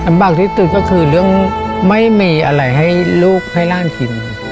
ที่สุดก็คือเรื่องไม่มีอะไรให้ลูกให้ร่างกิน